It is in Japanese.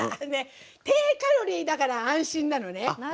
低カロリーだから安心なのね。